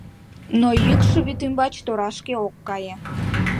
Но йӱкшӧ вӱд ӱмбач торашке ок кае.